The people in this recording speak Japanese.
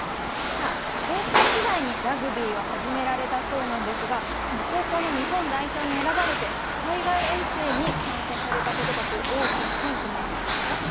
さあ高校時代にラグビーを始められたそうなんですがその高校の日本代表に選ばれて海外遠征に参加されたことが大きな転機になったんですか？